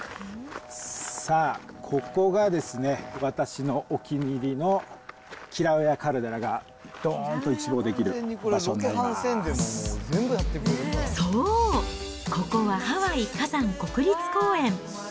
さあ、ここがですね、私のお気に入りのキラウエアカルデラがどんと一望できる場所になそう、ここはハワイ火山国立公園。